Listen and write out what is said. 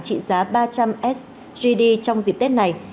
trị giá ba trăm linh sgd trong dịp tết này